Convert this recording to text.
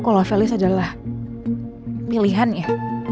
kalau felis adalah pilihan ya